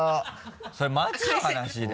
それマジの話で？